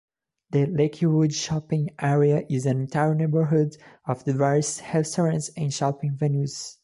The Lakewood shopping area is an entire neighborhood of diverse restaurants and shopping venues.